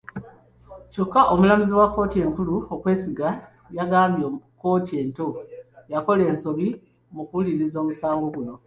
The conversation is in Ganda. Kyokka omulamuzi wa kkooti enkulu Kwesiga yagambye kkooti ento yakola ensobi mukuwuliriza omusango guno.